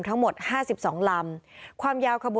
ในเวลาเดิมคือ๑๕นาทีครับ